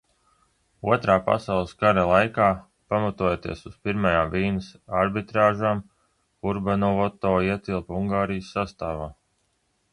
Otrā pasaules kara laikā, pamatojoties uz Pirmajām Vīnes arbitrāžām, Hurbanovo ietilpa Ungārijas sastāvā.